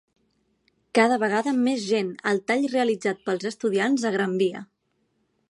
Cada vegada més gent al tall realitzat pels estudiants a Gran Via!